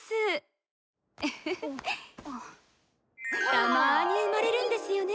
たまに生まれるんですよね